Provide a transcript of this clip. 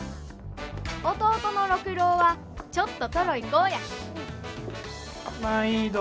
弟の六郎はちょっとトロい子やまいど。